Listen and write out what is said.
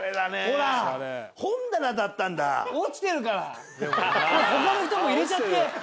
ほら他の人も入れちゃって。